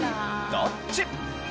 どっち？